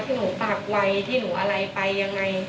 หนูฝากไว้ที่หนูอะไรไปยังไง